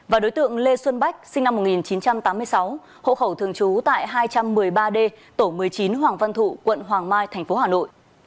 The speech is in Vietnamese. và đối tượng lê xuân bách sinh năm một nghìn chín trăm tám mươi sáu hộ khẩu thường trú tại hai trăm một mươi ba d tổ một mươi chín hoàng văn thụ quận hoàng mai tp hà nội